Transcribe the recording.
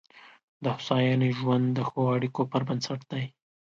د هوساینې ژوند د ښو اړیکو پر بنسټ دی.